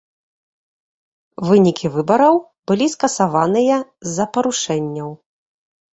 Вынікі выбараў былі скасаваныя з-за парушэнняў.